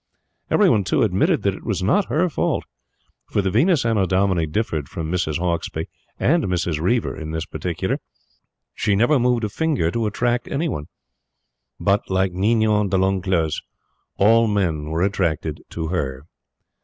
Every one, too, admitted that it was not her fault; for the Venus Annodomini differed from Mrs. Hauksbee and Mrs. Reiver in this particular she never moved a finger to attract any one; but, like Ninon de l'Enclos, all men were attracted to her.